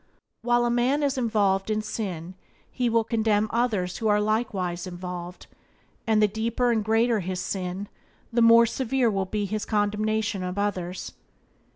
While a man is involved in sin he will condemn others who are likewise involved, and the deeper and greater his sin the more severe will be his condemnation of others.